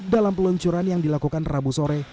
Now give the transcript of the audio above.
dalam peluncuran yang dilakukan rabu sore